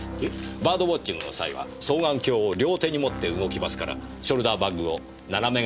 バードウオッチングの際は双眼鏡を両手に持って動きますからショルダーバッグを斜め掛けにする人が多いんです。